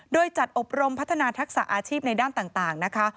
โดยจัดอบรมพัฒนาทักษะอาชีพในด้านต่างนะคะ